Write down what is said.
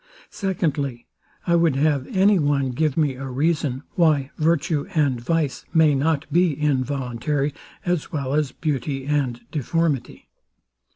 Secondly, I would have anyone give me a reason, why virtue and vice may not be involuntary, as well as beauty and deformity.